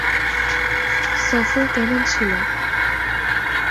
সফর কেমন ছিল?